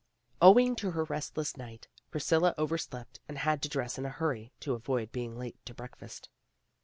Owing to her restless night, Priscilla over slept and had to dress in a hurry to avoid being late to breakfast.